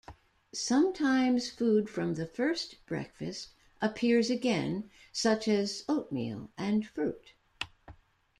Sometimes food from the first breakfast appears again such as oatmeal and fruit.